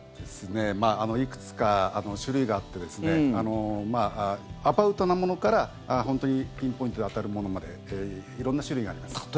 いくつか種類があってアバウトなものからピンポイントで当たるものまで色んな種類があります。